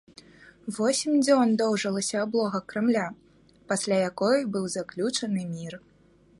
Восем дзён доўжылася аблога крамля, пасля якой быў заключаны мір.